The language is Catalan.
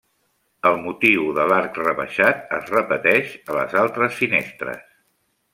El motiu de l'arc rebaixat es repeteix a les altres finestres.